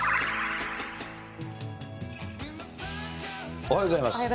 おはようございます。